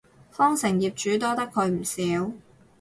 康城業主多得佢唔少